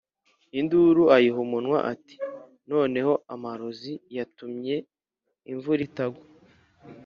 induru ayiha umunwa ati “noneho amarozi yatumye imvura itagwa